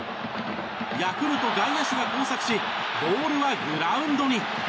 ヤクルト外野手が交錯しボールはグラウンドに。